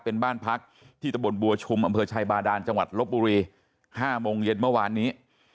เป็นบ้านพักที่ตะบนบัวชุมอำเภอชัยบาดานจังหวัดลบบุรี๕โมงเย็นเมื่อวานนี้